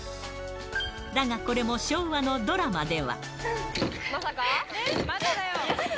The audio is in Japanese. だが、これも昭和のドラマでは。